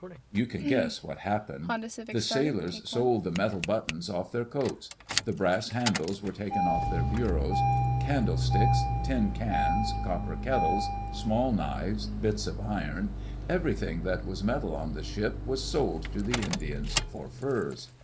You can guess what happened. The sailors sold the metal buttons off their coats ; the brass handles were taken off their bureaus; candlesticks, tin cans, copper kettles, small knives, bits of iron, everything that was metal on the ship was sold to the Indians for furs.